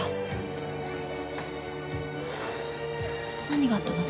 何があったの？